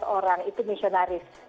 dua belas orang itu misionaris